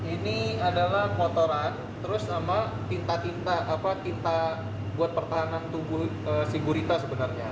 ini adalah motoran terus sama tinta tinta tinta buat pertahanan tubuh si gurita sebenarnya